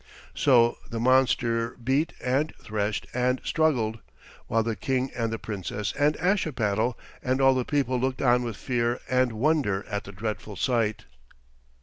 So the monster beat and threshed and struggled, while the King and the Princess and Ashipattle and all the people looked on with fear and wonder at the dreadful sight.